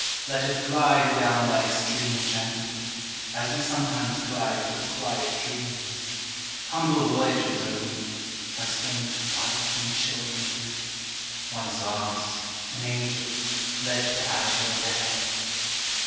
Let us glide adown thy stream Gently as we sometimes glide Through a quiet dream! Humble voyagers are we, Husband, wife, and children three (One is lost an angel, fled To the azure overhead!)